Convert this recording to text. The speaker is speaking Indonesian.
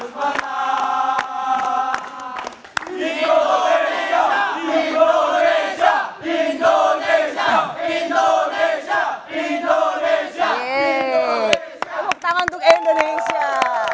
tepuk tangan untuk indonesia